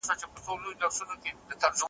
دا هلمند هلمند رودونه `